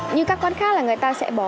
như các quán khác là người ta sẽ bỏ